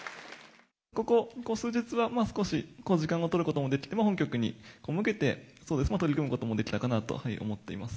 ここ数日は、まあ、少し時間も取ることもできて、本局に向けて取り組むこともできたかなぁと思っています。